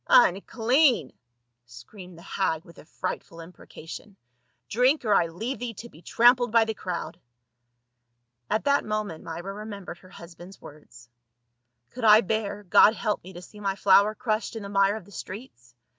"Unclean!" screamed the hag with a frightful im precation. " Drink, or I leave thee to be trampled by the crowd !" At that moment Myra remembered her husband's words :" Could I bear — God help me, to see my flower crushed in the mire of the streets?"